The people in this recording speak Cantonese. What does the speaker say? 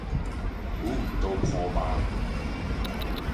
估唔到破万